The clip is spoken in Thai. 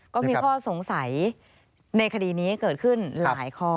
ก็มีข้อสงสัยในคดีนี้เกิดขึ้นหลายข้อ